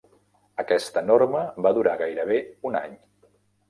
Aquesta norma va durar gairebé un any.